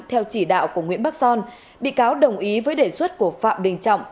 theo chỉ đạo của nguyễn bắc son bị cáo đồng ý với đề xuất của phạm đình trọng